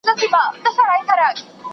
تاسو باید د ښه خلکو په حق کي دعا وکړئ.